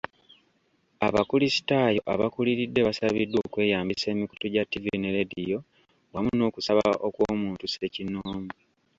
Abakulisitaayo abakuliridde basabiddwa okweyambisa emikutu gya ttivvi ne leediyo wamu n'okusaba okw'omuntu ssekinnoomu.